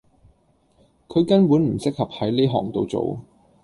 佢根本唔適合喺呢行到做